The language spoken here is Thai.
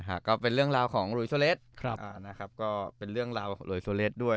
อ่าก็เป็นเรื่องราวของครับอ่านะครับก็เป็นเรื่องราวด้วย